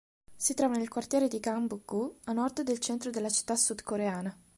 Si trova nel quartiere di Gangbuk-gu, a nord del centro della città sudcoreana.